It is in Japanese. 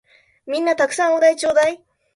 皆んな沢山お題ちょーだい！